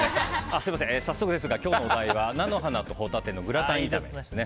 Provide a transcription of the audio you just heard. すみません、早速ですが今日のお題は菜の花とホタテのグラタン炒めですね。